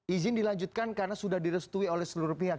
izin dilanjutkan karena sudah direstui oleh seluruh pihak